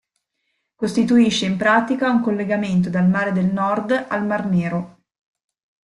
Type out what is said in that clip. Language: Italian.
Costituisce in pratica un collegamento dal Mare del Nord al Mar Nero.